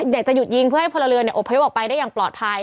อยากจะหยุดยิงเพื่อให้พลเรือนอบพยพออกไปได้อย่างปลอดภัย